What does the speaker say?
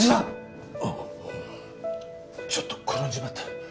ちょっと転んじまった。